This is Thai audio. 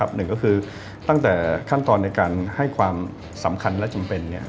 หนึ่งก็คือตั้งแต่ขั้นตอนในการให้ความสำคัญและจำเป็น